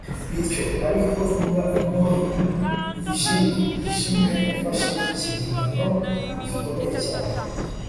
bityo. ariko imbwa ntoya yijimye-yijimye yafashe iki gihano gikomeye cyane